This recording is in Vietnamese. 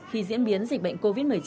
khi diễn biến dịch bệnh covid một mươi chín